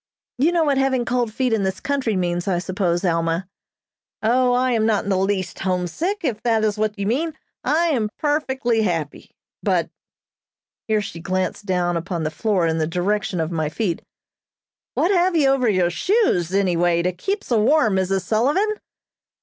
"You know what having cold feet in this country means, I suppose, Alma?" "O, I am not in the least homesick, if that is what you mean. I am perfectly happy; but " (here she glanced down upon the floor in the direction of my feet) "what have you over your shoes, any way, to keep so warm, Mrs. Sullivan?"